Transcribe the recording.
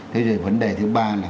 thế thì vấn đề thứ ba là